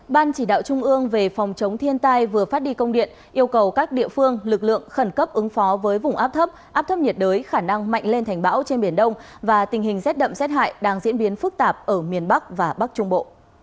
ban chỉ đạo trung ương về phòng chống thiên tai vừa phát đi công điện yêu cầu các địa phương lực lượng khẩn cấp ứng phó với vùng áp thấp áp thấp nhiệt đới khả năng mạnh lên thành bão trên biển đông và tình hình rét đậm rét hại đang diễn biến phức tạp ở miền bắc và bắc trung bộ